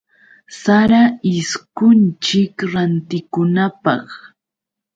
Sara ishkunchik rantikunapaq.